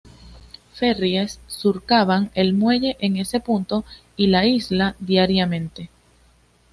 Ferries surcaban el muelle en ese punto y la isla diariamente.